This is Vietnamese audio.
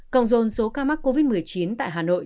cộng dồn số ca mắc covid một mươi chín tại hà nội